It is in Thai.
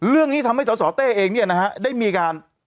เรื่องนี้ทำให้สสเต้เองเนี่ยนะฮะได้มีการ